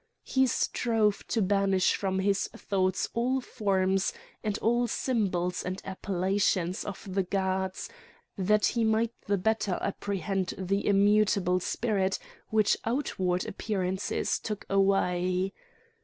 He strove to banish from his thoughts all forms, and all symbols and appellations of the gods, that he might the better apprehend the immutable spirit which outward appearances took away.